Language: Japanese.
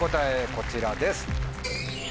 こちらです。